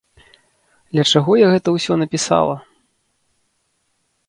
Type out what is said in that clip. Для чаго я гэта ўсё напісала?